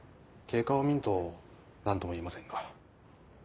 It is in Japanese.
経過を見んと何とも言えませんが。